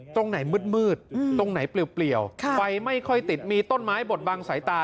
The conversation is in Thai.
ตรงไหนมืดตรงไหนเปลี่ยวไฟไม่ค่อยติดมีต้นไม้บดบังสายตา